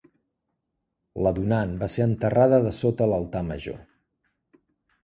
La donant va ser enterrada dessota l'altar major.